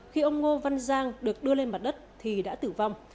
khi ông ngô văn giang được đưa lên mặt đất thì đã tử vong